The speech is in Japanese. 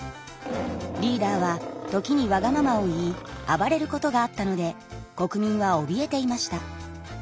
リーダーは時にわがままを言い暴れることがあったので国民はおびえていました。